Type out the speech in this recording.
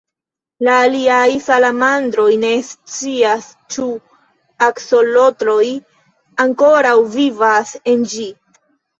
La aliaj salamandroj ne scias ĉu aksolotloj ankoraŭ vivas en ĝi.